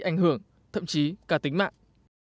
ảnh hưởng thậm chí cả tính mạng